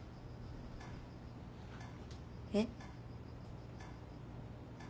えっ？